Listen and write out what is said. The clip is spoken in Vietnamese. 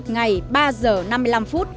một ngày ba giờ năm mươi năm phút